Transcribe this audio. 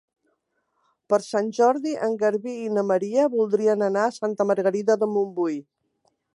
Per Sant Jordi en Garbí i na Maria voldrien anar a Santa Margarida de Montbui.